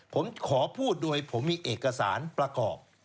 ผมขอพูดโดยผมมีเอกสารประกอบ